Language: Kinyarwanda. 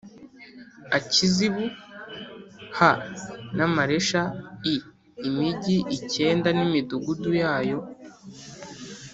Akizibu h na Maresha i imigi icyenda n imidugudu yayo